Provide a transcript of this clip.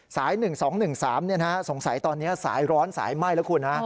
สาย๑๒๑๓สงสัยตอนนี้สายร้อนสายไหม้แล้วคุณฮะ